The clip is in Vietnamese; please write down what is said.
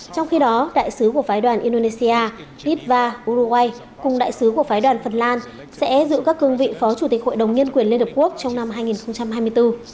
trong khi đó đại sứ của phái đoàn indonesia lidva uruguay cùng đại sứ của phái đoàn phần lan sẽ giữ các cương vị phó chủ tịch hội đồng nhân quyền liên hợp quốc trong năm hai nghìn hai mươi bốn